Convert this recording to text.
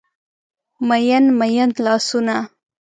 میین، میین لاسونه